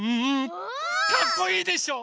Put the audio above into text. かっこいいでしょ？